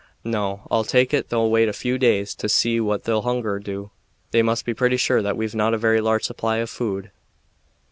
No, I take it they'll wait a few days to see what hunger'll do. They must be pretty sure that we've not a very large supply of food."